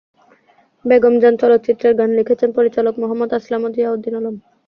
বেগম জান চলচ্চিত্রের গান লিখেছেন পরিচালক মোহাম্মদ আসলাম ও জিয়াউদ্দিন আলম।